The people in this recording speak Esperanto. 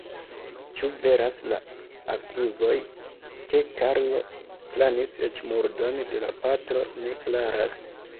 Ĉu veras la akuzoj ke Karlo planis eĉ murdon de la patro, ne klaras.